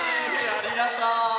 ありがとう！